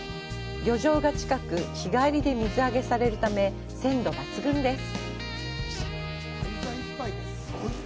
漁場が近く、日帰りで水揚げされるため、鮮度抜群です。